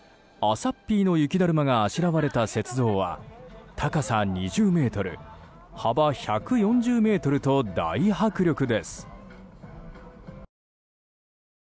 さっぴーの雪だるまがあしらわれた雪像は高さ２０ｍ幅１４０ｍと大迫力です。